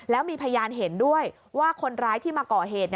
แล้วมีพยานเห็นด้วยว่าคนร้ายที่มาก่อเหตุ